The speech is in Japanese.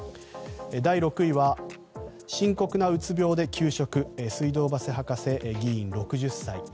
第６位は深刻なうつ病で休職水道橋博士議員、６０歳。